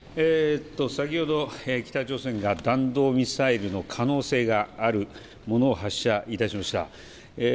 先ほど北朝鮮が弾道ミサイルの可能性があるものを発射いたしました。